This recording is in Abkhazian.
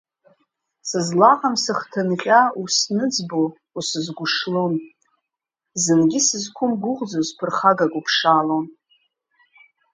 Сызлаҟам сыхҭынҟьа, усныӡбо, усызгәышлон, зынгьы сызқәымгәыӷӡоз ԥырхагак уԥшаалон.